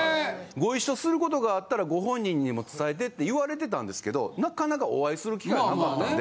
ご一緒する事があったらご本人にも伝えてって言われてたんですけどなかなかお会いする機会がなかったんで。